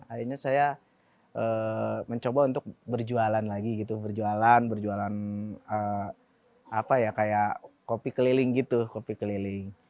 akhirnya saya mencoba untuk berjualan lagi gitu berjualan berjualan apa ya kayak kopi keliling gitu kopi keliling